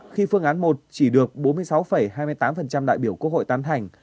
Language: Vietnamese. khi phương án một chỉ được bốn mươi sáu hai mươi tám đại biểu quốc hội tán thành